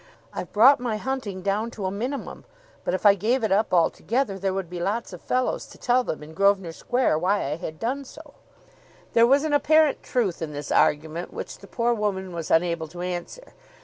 I've brought my hunting down to a minimum, but if I gave it up altogether there would be lots of fellows to tell them in Grosvenor Square why I had done so." There was an apparent truth in this argument which the poor woman was unable to answer.